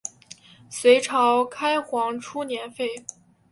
隋朝开皇初年废。